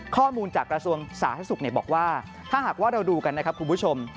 ข้อมูลจากกระทรวงสาธารณสุขบอกว่าถ้าหากว่าเราดูกันนะครับคุณผู้ชม